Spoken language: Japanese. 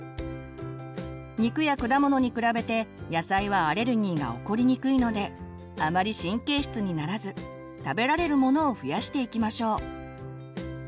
肉や果物に比べて野菜はアレルギーが起こりにくいのであまり神経質にならず食べられるものを増やしていきましょう。